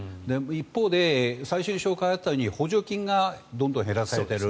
一方で最初に紹介があったように補助金がどんどん減らされている。